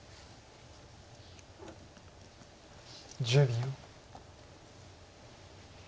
１０秒。